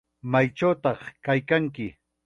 ¿Maychawtaq kaykanki?